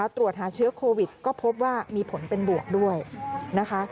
ตรวจหาเชื้อโควิดก็พบว่ามีผลเป็นบวกด้วยนะคะ